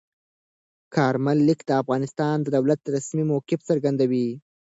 کارمل لیک د افغانستان د دولت رسمي موقف څرګندوي.